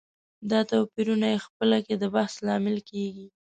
دا توپيرونه یې خپله کې د بحث لامل کېږي.